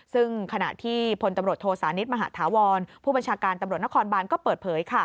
ซึ่งขณะที่พลตำรวจโทสานิทมหาธาวรผู้บัญชาการตำรวจนครบานก็เปิดเผย